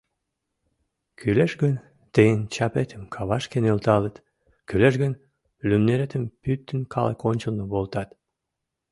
Кӱлеш гын, тыйын чапетым кавашке нӧлталыт, кӱлеш гын, лӱмнеретым пӱтынь калык ончылно волтат.